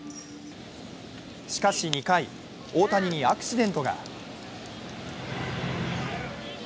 しかし２回、大谷にアクシデントが。